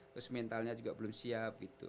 terus mentalnya juga belum siap gitu